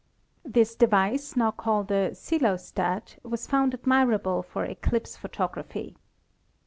This device, now called a "ccelostat," was found admirable for eclipse photography.